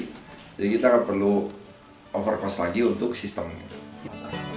jadi kita gak perlu over cost lagi untuk sistem ini